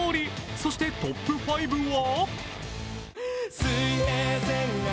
そしてトップ５は？